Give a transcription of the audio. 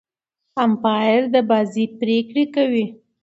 امپاير د بازۍ پرېکړي کوي.